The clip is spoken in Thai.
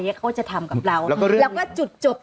เขาจะทำกับเราแล้วก็จุดจบ